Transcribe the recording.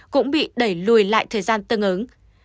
cũng bị đẩy lùi lại thời gian tương ứng